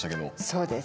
そうです。